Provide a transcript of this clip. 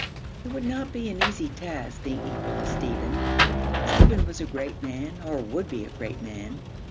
It would not be an easy task, being equal to Stephen. Stephen was a great man, or would be a great man.